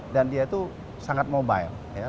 dan dia itu sangat mobile